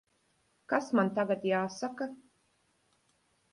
Kas man tagad jāsaka?